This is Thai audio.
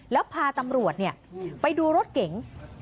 แล้วพาตำรวจไปดูรถเก๋ง